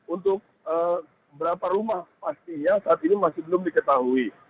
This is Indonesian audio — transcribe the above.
untuk berapa rumah pastinya saat ini masih belum diketahui